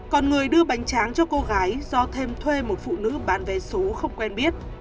còn người đưa bánh tráng cho cô gái do thêm thuê một phụ nữ bán vé số không quen biết